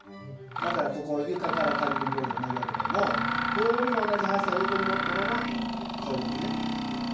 だから床から仮にボールを投げ上げてもボールも同じ速さで横に持ったままこういうふうにね。